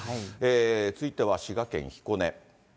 続いては滋賀県彦根。